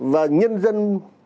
và nhân dân